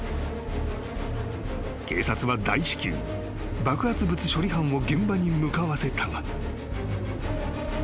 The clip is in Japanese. ［警察は大至急爆発物処理班を現場に向かわせたが］